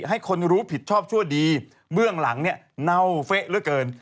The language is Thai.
ให้คนรู้ผิดชอบชั่วดีเบื้องหลังน่าวเฟะเยอะเกิน